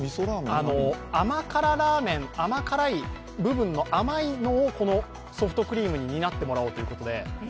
甘辛ラーメン、甘辛い部分の甘いのをこのソフトクリームに担ってもらおうということで。